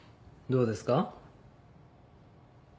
どうですか？